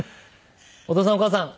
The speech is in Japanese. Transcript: お父さんお母さん！